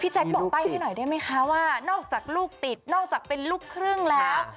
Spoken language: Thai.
แจ๊คบอกป้ายให้หน่อยได้ไหมคะว่านอกจากลูกติดนอกจากเป็นลูกครึ่งแล้ว